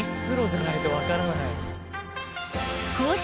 プロじゃないとわからない。